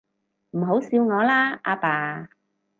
唔好笑我啦，阿爸